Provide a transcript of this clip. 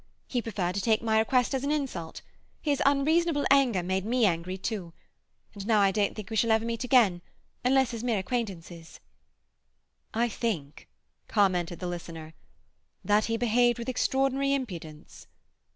He preferred to take my request as an insult. His unreasonable anger made me angry too. And now I don't think we shall ever meet again unless as mere acquaintances." "I think," commented the listener, "that he behaved with extraordinary impudence."